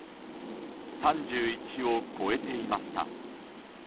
３１を超えていました。